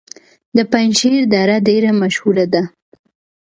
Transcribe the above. د پنجشیر دره ډیره مشهوره ده